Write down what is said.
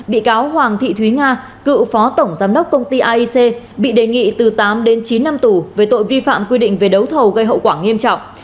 bị cáo hoàng thị thúy nga cựu phó tổng giám đốc công ty aic bị đề nghị từ tám đến chín năm tù về tội vi phạm quy định về đấu thầu gây hậu quả nghiêm trọng